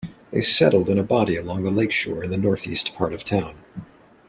They settled in a body along the lakeshore in the northeast part of town.